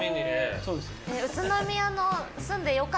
そうですね。